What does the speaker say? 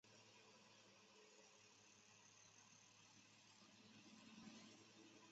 教会一致通过了接受这个编辑工作为信仰的教义和圣约。